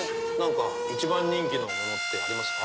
一番人気のものってありますか？